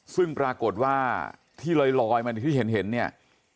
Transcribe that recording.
ซึ่งปรากฏว่าที่ลอยมาที่เห็นเนี่ย